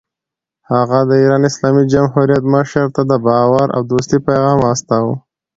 هغه د ایران اسلامي جمهوریت مشر ته د باور او دوستۍ پیغام واستاوه.